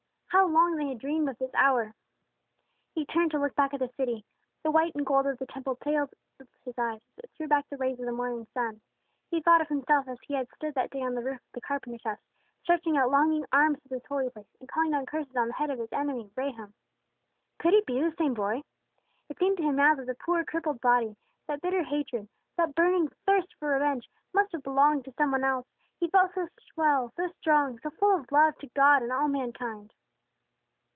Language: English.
How long they had dreamed of this hour! He turned to look back at the city. The white and gold of the Temple dazzled his eyes, as it threw back the rays of the morning sun. He thought of himself as he had stood that day on the roof of the carpenter's house, stretching out longing arms to this holy place, and calling down curses on the head of his enemy, Rehum. Could he be the same boy? It seemed to him now that that poor, crippled body, that bitter hatred, that burning thirst for revenge, must have belonged to some one else, he felt so well, so strong, so full of love to God and all mankind.